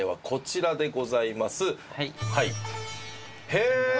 へえ！